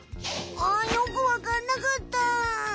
あんよくわかんなかった。